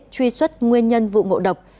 truy xuất nguyên nhân vụ ngộ độc